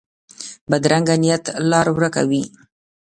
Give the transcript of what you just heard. بدرنګه نیت لار ورکه وي